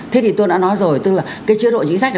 thế thì tôi đã nói rồi tức là cái chế độ chính sách này